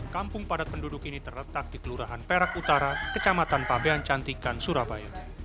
kampung padat penduduk ini terletak di kelurahan perak utara kecamatan pabean cantikan surabaya